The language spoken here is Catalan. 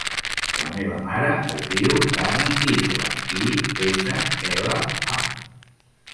La meva mare es diu Dana Isla: i, essa, ela, a.